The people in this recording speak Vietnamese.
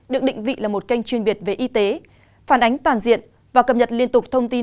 được định vị là một kênh chuyên biệt về y tế phản ánh toàn diện và cập nhật liên tục thông tin